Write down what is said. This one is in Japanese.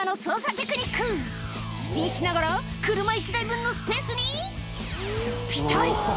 テクニックスピンしながら車１台分のスペースにピタリ